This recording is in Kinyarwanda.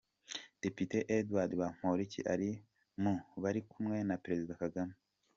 Depite Edouard Bamporiki ari mu bari kumwe na Perezida Kagame.